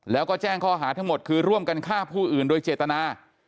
แล้วก็แจ้งข้อหาทั้งหมดคือร่วมกันฆ่าผู้อื่นโดยเจตนา